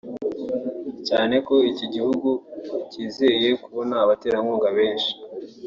cyane ko iki gihugu ngo kizeye kubona abaterankunga benshi